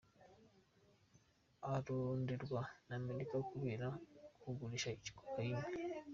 Aronderwa na Amerika kubera ukugurisha cocaine.